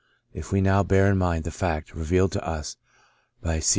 If we now bear in mind the fact, revealed to us by CI.